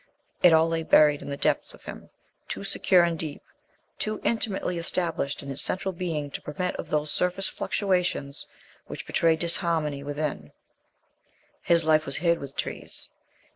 It all lay buried in the depths of him, too secure and deep, too intimately established in his central being to permit of those surface fluctuations which betray disharmony within. His life was hid with trees.